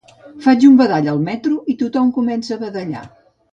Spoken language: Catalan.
Faig un badall al metro i tothom comença a badallar